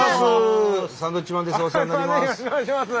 サンドウィッチマンです。